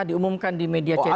diumumkan di media cetak